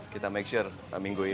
kita make sure minggu ini